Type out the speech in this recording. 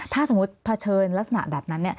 ถ้าสมมุติเผชิญลักษณะแบบนั้น